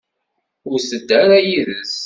Ur tedda ara yid-s.